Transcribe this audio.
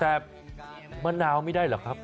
แต่มะนาวไม่ได้หรอกครับ